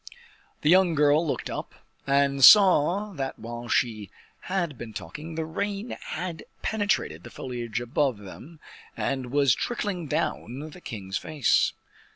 The young girl looked up, and saw that while they had been talking, the rain had penetrated the foliage above them, and was trickling down the king's face.